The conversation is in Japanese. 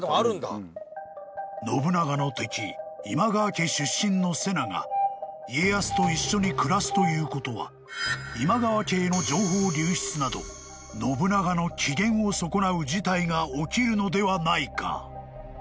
家出身の瀬名が家康と一緒に暮らすということは今川家への情報流出など信長の機嫌を損なう事態が起きるのではないか？］